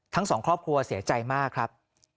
ทั้งสองครอบครัวเสียใจมากครับ